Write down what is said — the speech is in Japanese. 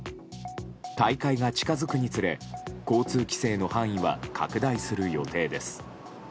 大会が近づくにつれ交通規制の範囲は拡大する予定です。